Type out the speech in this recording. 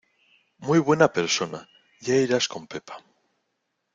¡Muy buena persona! ya irás con pepa.